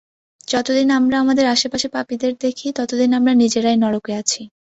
যতদিন আমরা আমাদের আশেপাশে পাপীদের দেখি, ততদিন আমরা নিজেরাই নরকে আছি।